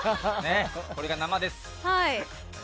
これが生です。